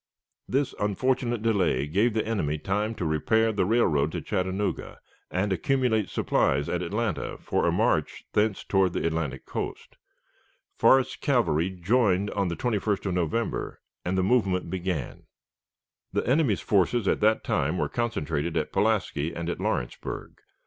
This unfortunate delay gave the enemy time to repair the railroad to Chattanooga, and accumulate supplies at Atlanta for a march thence toward the Atlantic coast. Forrest's cavalry joined on the 21st of November, and the movement began. The enemy's forces at that time were concentrated at Pulaski and at Lawrenceburg.